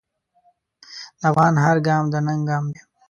د افغان هر ګام د ننګ ګام دی.